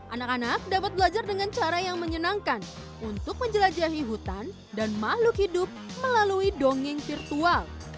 anak anak dapat belajar dengan cara yang menyenangkan untuk menjelajahi hutan dan makhluk hidup melalui dongeng virtual